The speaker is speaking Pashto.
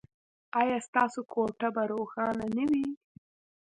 ایا ستاسو کوټه به روښانه نه وي؟